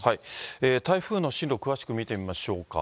台風の進路、詳しく見てみま